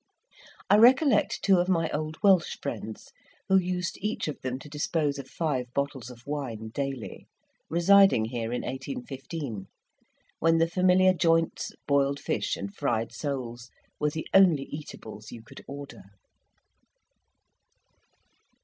I recollect two of my old Welsh friends, who used each of them to dispose of five bottles of wine daily, residing here in 1815, when the familiar joints, boiled fish and fried soles, were the only eatables you could order.